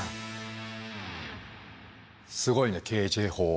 すごいねＫＪ法。